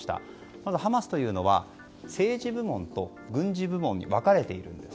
まずハマスというのは政治部門と軍事部門に分かれているんです。